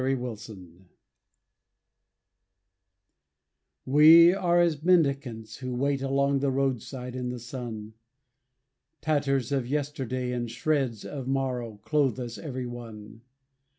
THE MENDICANTS. We are as mendicants who wait Along the roadside in the sun. Tatters of yesterday and shreds Of morrow clothe us every one.